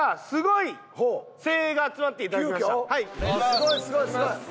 すごいすごいすごい！